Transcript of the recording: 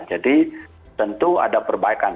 jadi tentu ada perbaikan